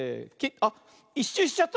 あっ１しゅうしちゃった。